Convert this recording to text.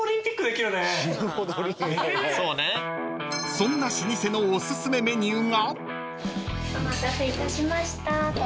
［そんな老舗のおすすめメニューが］お待たせいたしました。